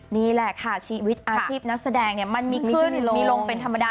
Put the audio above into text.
นี่แหละค่ะชีวิตอาชีพนักแสดงเนี่ยมันมีขึ้นมีลงเป็นธรรมดา